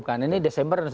karena ini desember